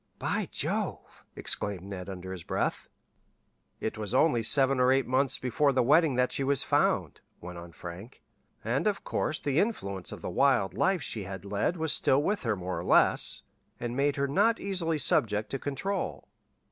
"By Jove!" exclaimed Ned under his breath. "It was only seven or eight months before the wedding that she was found," went on Frank, "and of course the influence of the wild life she had led was still with her more or less, and made her not easily subject to control.